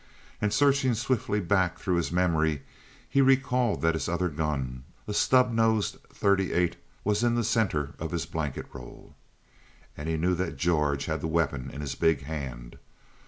And searching swiftly back through his memory he recalled that his other gun, a stub nosed thirty eight, was in the center of his blanket roll. And he knew that George had the weapon in his big hand.